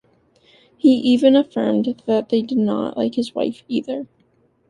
He even affirmed that they did not like his wife either.